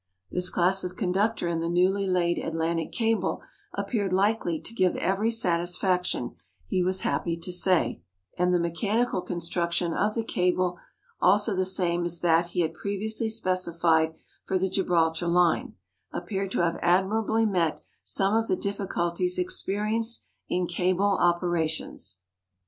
This class of conductor in the newly laid Atlantic cable appeared likely to give every satisfaction, he was happy to say, and the mechanical construction of the cable, also the same as that he had previously specified for the Gibraltar line, appeared to have admirably met some of the difficulties experienced in cable operations.